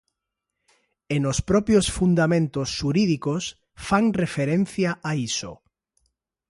E nos propios fundamentos xurídicos fan referencia a iso.